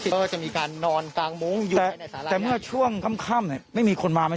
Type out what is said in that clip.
ก็จะมีการนอนกางมุ้งอยู่แต่แต่เมื่อช่วงค่ำเนี่ยไม่มีคนมาไหม